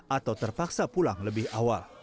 atau terpaksa pulang lebih awal